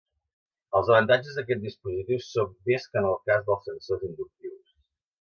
Els avantatges d'aquest dispositiu són més que en el cas dels sensors inductius.